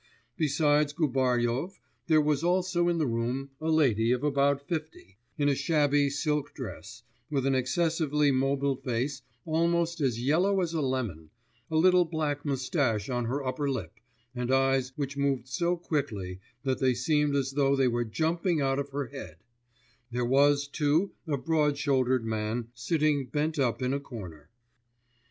Besides Gubaryov, there was also in the room a lady of about fifty, in a shabby silk dress, with an excessively mobile face almost as yellow as a lemon, a little black moustache on her upper lip, and eyes which moved so quickly that they seemed as though they were jumping out of her head; there was too a broad shouldered man sitting bent up in a corner.